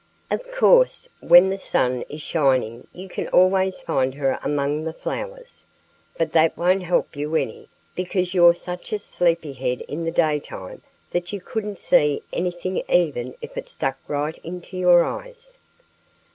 "Of course, when the sun is shining you can always find her among the flowers. But that won't help you any, because you're such a sleepy head in the daytime that you couldn't see anything even if it was stuck right into your eyes."